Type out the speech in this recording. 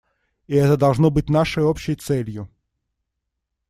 И это должно быть нашей общей целью.